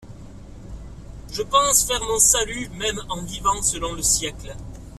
Je pense faire mon salut, même en vivant selon le siècle.